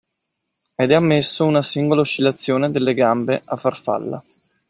Ed è ammesso una singola oscillazione delle gambe a farfalla.